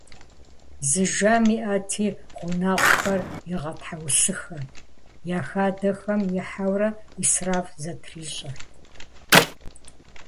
Зы жэм иӀэти, гъунэгъухэр игъэтхьэусыхэрт: я хадэхэм ихьэурэ Ӏисраф зэтрищӀэрт.